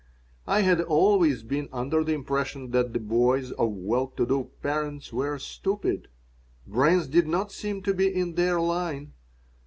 I had always been under the impression that the boys of well to do parents were stupid. Brains did not seem to be in their line.